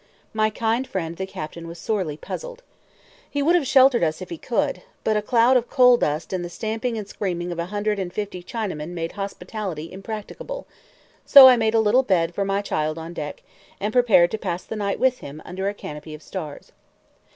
My kind friend the captain was sorely puzzled. He would have sheltered us if he could; but a cloud of coal dust and the stamping and screaming of a hundred and fifty Chinamen made hospitality impracticable; so I made a little bed for my child on deck, and prepared to pass the night with him under a canopy of stars.